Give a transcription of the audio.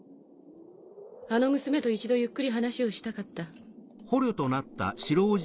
あの娘と一度ゆっくり話をしたかった。